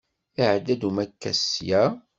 Iɛedda-d umakkas sya?